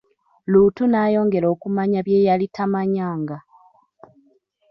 Luutu n'ayongera okumanya bye yali tamanyanga.